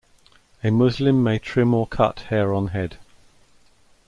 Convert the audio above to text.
A Muslim may trim or cut hair on head.